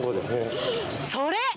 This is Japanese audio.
それ！